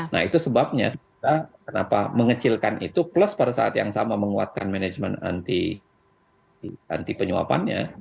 nah itu sebabnya kenapa mengecilkan itu plus pada saat yang sama menguatkan manajemen anti penyuapannya